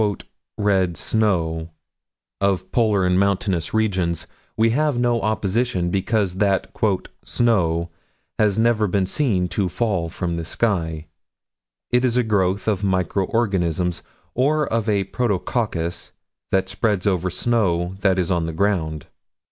As to the "red snow" of polar and mountainous regions, we have no opposition, because that "snow" has never been seen to fall from the sky: it is a growth of micro organisms, or of a "protococcus," that spreads over snow that is on the ground.